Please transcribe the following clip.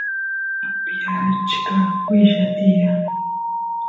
ñanpi achka willa tiyan